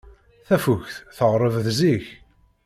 Tafukt tɣerreb zik.